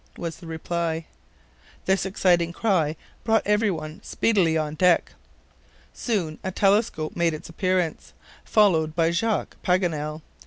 was the reply. This exciting cry brought everyone speedily on deck. Soon a telescope made its appearance, followed by Jacques Paganel.